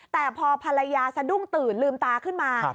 แต่พอภรรยาสะดุ้งตื่นลืมตาขึ้นมา